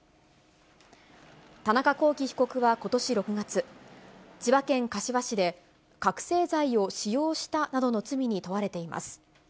田中聖被告はことし６月、千葉県柏市で、覚醒剤を使用したなどの罪に問われています。